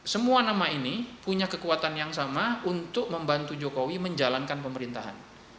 semua nama ini punya kekuatan yang sama untuk membantu jokowi menjalankan pemerintahan